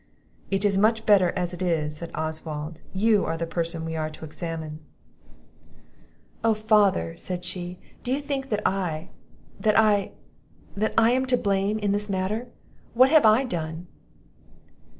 "It is much better as it is," said Oswald; "you are the person we are to examine." "Oh, father," said she, "do you think that I that I that I am to blame in this matter? what have I done?"